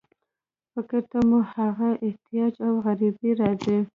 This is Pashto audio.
فکر ته مو هغه احتیاج او غریبي راځي.